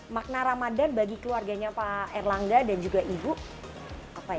makna ramadan bagi keluarganya pak erlangga dan juga ibu apa ya